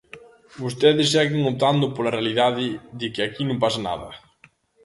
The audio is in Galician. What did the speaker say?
Vostedes seguen optando pola realidade de que aquí non pasa nada.